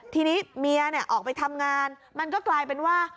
ทีนี้เมียออกไปทำงานมันก็กลายเป็นว่า